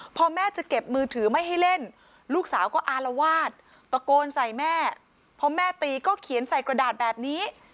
พอแม่จะเก็บมือถือไม่ให้เล่นลูกสาวก็อารวาสตะโกนใส่แม่พอแม่ตีก็เขียนใส่กระดาษแบบนี้